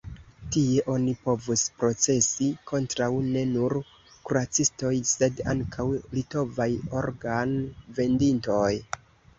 Tie oni povus procesi kontraŭ ne nur kuracistoj, sed ankaŭ litovaj organ-vendintoj.